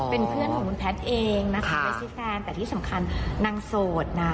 เป็นเพื่อนของคุณแพทย์เองนะคะไม่ใช่แฟนแต่ที่สำคัญนางโสดนะ